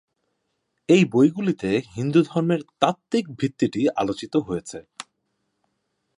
এই বইগুলিতে হিন্দুধর্মের তাত্ত্বিক ভিত্তিটি আলোচিত হয়েছে।